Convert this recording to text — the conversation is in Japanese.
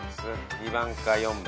２番か４番。